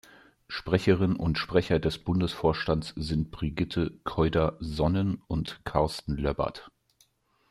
Sprecherin und Sprecher des Bundesvorstands sind Brigitte Kreuder-Sonnen und Carsten Löbbert.